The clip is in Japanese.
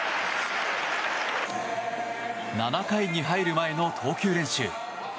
７回に入る前の投球練習。